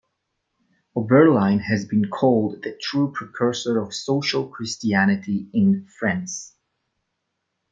Oberlin has been called the true precursor of social Christianity in France.